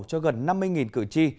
cho gần năm mươi cử tri